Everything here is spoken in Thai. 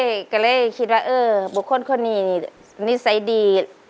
ก็เลยคิดว่าเออบุคคลคนนี้นี่นิสัยดี